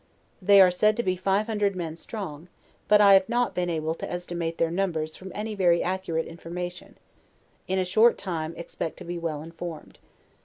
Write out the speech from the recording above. They are said to be five hundred men strong, but I have not been able to estimate their numbers from any very accurate informa tion; in a short time expect to be well intbrrned.